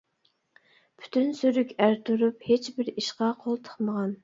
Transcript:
پۈتۈن سۈرۈك ئەر تۇرۇپ، ھېچ بىر ئىشقا قول تىقمىغان.